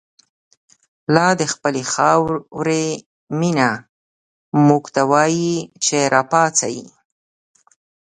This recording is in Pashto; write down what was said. لادخپلی خاوری مینه، موږ ته وایی چه راپاڅئ